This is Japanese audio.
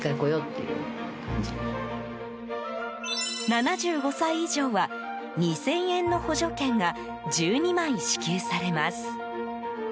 ７５歳以上は、２０００円の補助券が１２枚支給されます。